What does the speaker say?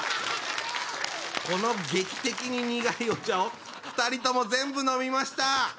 この劇的に苦いお茶を２人とも全部飲みました。